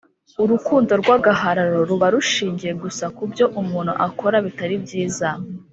Urukundo rw agahararo ruba rushingiye gusa ku byo umuntu akora bitari byiza